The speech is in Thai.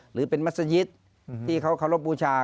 หรือเป็นมัศยิตที่เขาเคารพบูชา